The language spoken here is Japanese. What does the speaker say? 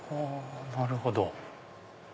なるほど。